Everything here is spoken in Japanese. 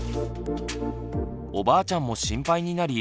おばあちゃんも心配になり